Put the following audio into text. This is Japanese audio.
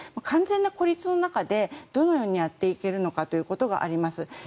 完全な孤立の中でどのようにやっていけるのかということがあります。